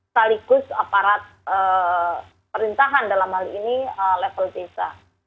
sekaligus aparat perintahan dalam hal ini level desa